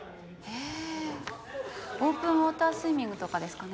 えぇオ―プンウォ―タ―スイミングとかですかね。